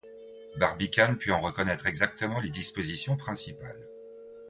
Barbicane put en reconnaître exactement les dispositions principales.